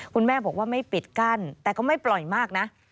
คุณแม่บอกว่าไม่ปิดกั้นแต่ก็ไม่ปล่อยมากนะ